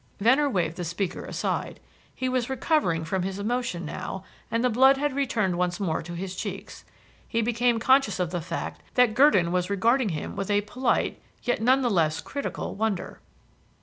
Venner waved the speaker aside. He was recovering from his emotion now and the blood had returned once more to his cheeks. He became conscious of the fact that Gurdon was regarding him with a polite, yet none the less critical, wonder.